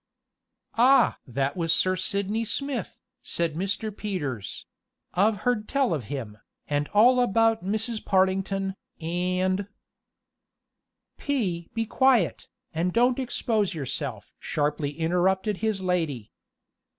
"Ah! that was Sir Sidney Smith," said Mr. Peters; "I've heard tell of him, and all about Mrs. Partington, and " "P. be quiet, and don't expose yourself!" sharply interrupted his lady.